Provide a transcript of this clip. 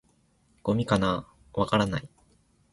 「ゴミかな？」「わからない」